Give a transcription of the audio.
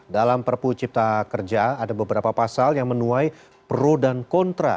dalam perpu cipta kerja ada beberapa pasal yang menuai pro dan kontra